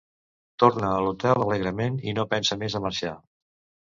Torna a l'hotel alegrement i no pensa més a marxar.